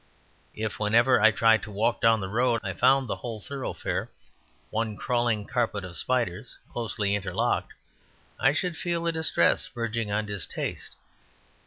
If whenever I tried to walk down the road I found the whole thoroughfare one crawling carpet of spiders, closely interlocked, I should feel a distress verging on distaste.